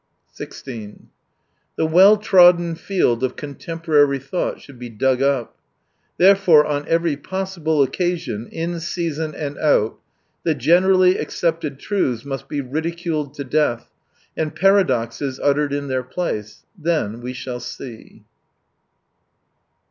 i6 The well trodden field of contemporary thought should be dug up. Therefore, on every possible occasion, in season and out, the generally accepted truths must be ridi culed to death, and paradoxes uttered in their place. Then we shall see